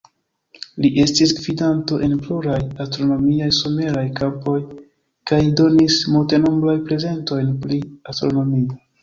Li estis gvidanto en pluraj astronomiaj someraj kampoj kaj donis multenombraj prezentojn pri astronomio.